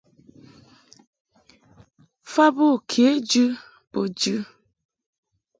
Fa bo kejɨ bo jɨ.